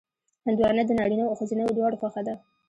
هندوانه د نارینهوو او ښځینهوو دواړو خوښه ده.